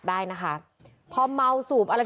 โดนฟันเละเลย